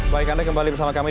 baik anda kembali bersama kami